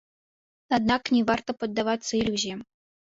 Аднак не варта паддавацца ілюзіям.